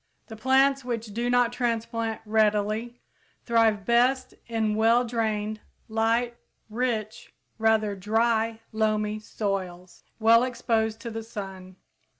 The plants, which do not transplant readily, thrive best in well drained, light, rich, rather dry, loamy soils well exposed to the sun.